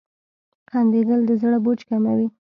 • خندېدل د زړه بوج کموي.